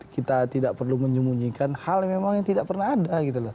kita tidak perlu menyembunyikan hal yang memang tidak pernah ada gitu loh